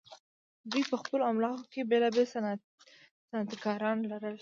دوی په خپلو املاکو کې بیلابیل صنعتکاران لرل.